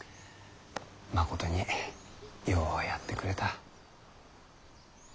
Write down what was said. まことにようやってくれた。